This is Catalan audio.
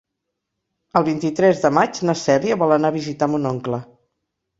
El vint-i-tres de maig na Cèlia vol anar a visitar mon oncle.